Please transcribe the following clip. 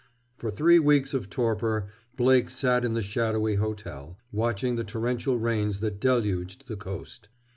For three weeks of torpor Blake sat in the shadowy hotel, watching the torrential rains that deluged the coast.